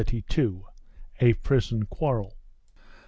A PRISON QUARREL.